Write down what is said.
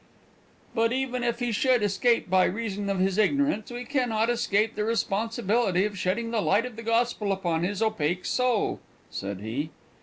"But, even if he should escape by reason of his ignorance, we can not escape the responsibility of shedding the light of the gospel upon his opaque soul," said he.